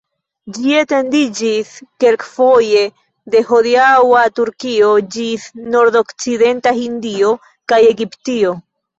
Ĝi etendiĝis kelktempe de hodiaŭa Turkio ĝis nordokcidenta Hindio kaj Egiptio.